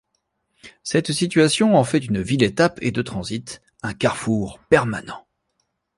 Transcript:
Cette situation en fait une ville-étape et de transit, un carrefour permanent.